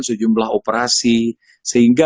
sejumlah operasi sehingga